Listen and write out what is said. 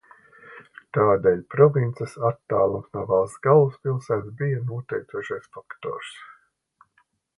Tādēļ provinces attālums no valsts galvaspilsētas bija noteicošais faktors.